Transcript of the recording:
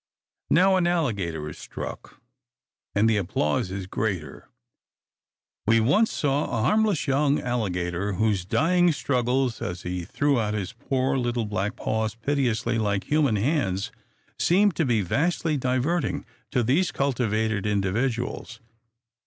Now an alligator is struck; and the applause is greater. We once saw a harmless young alligator, whose dying struggles, as he threw out his poor little black paws piteously like human hands, seemed to be vastly diverting to these cultivated individuals.